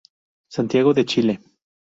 Santiago de Chile